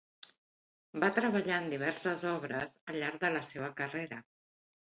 Va treballar en diverses obres al llarg de la seva carrera.